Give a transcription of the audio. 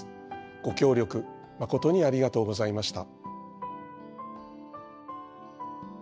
ご協力誠にありがとうございました。